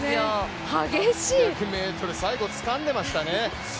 １００ｍ、最後つかんでましたね。